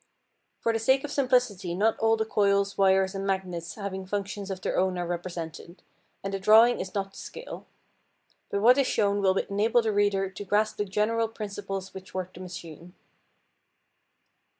For the sake of simplicity not all the coils, wires, and magnets having functions of their own are represented, and the drawing is not to scale. But what is shown will enable the reader to grasp the general principles which work the machine.